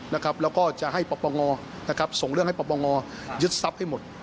แล้วก็จะให้ปปงนะครับส่งเรื่องให้ปปงยึดทรัพย์ให้หมด